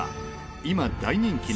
今、大人気の